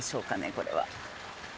これは。